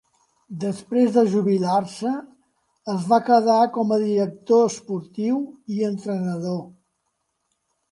Després de jubilar-se es va quedar com a director esportiu i entrenador.